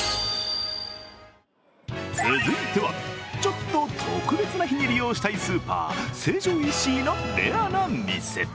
続いては、ちょっと特別な日に利用したいスーパー・成城石井のレアな店。